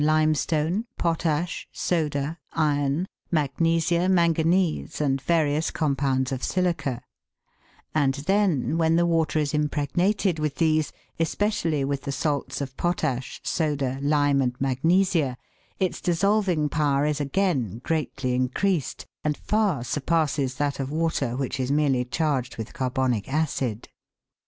limestone, potash, soda, iron, magnesia, manganese, and various compounds of silica ; and then, when the water is impregnated with these, especially with the salts of potash, soda, lime, and magnesia, its dissolving power is again greatly increased, and far surpasses that of water which is merely charged with carbonic acid.